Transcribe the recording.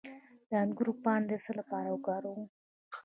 د انګور پاڼې د څه لپاره وکاروم؟